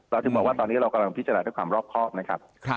ถึงบอกว่าตอนนี้เรากำลังพิจารณาด้วยความรอบครอบนะครับ